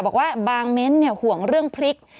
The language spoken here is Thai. บอกว่าบางเม้นต์ห่วงเรื่องพริก